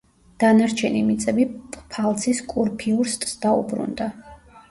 დანარჩენი მიწები პფალცის კურფიურსტს დაუბრუნდა.